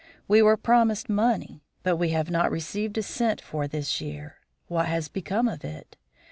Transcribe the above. We were promised money, but we have not received a cent for this year. What has become of it?